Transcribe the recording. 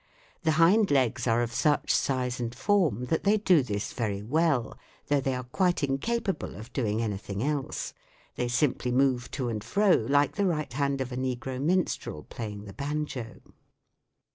The hind legs are of such size and form that they do this very well, though they are quite incapable of doing anything else ; they simply move to and fro like the right hand of a negro minstrel playing the banjo.